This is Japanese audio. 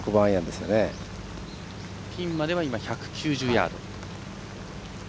ピンまでは１９０ヤード。